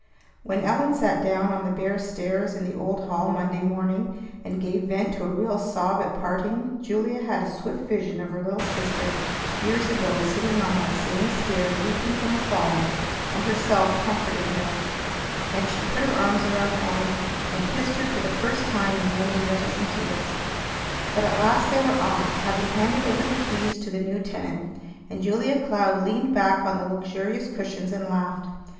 When Ellen sat down on the bare stairs in the old hall Monday morning, and gave vent to a real sob at parting, Julia had a swift vision of her little sister years ago sitting on that same stair weeping from a fall, and herself comforting her; and she put her arms around Ellen, and kissed her for the first time in many reticent years. But at last they were off, having handed over the keys to the new tenant, and Julia Cloud leaned back on the luxurious cushions and laughed.